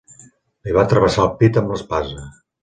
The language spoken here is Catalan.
Li va travessar el pit amb l'espasa.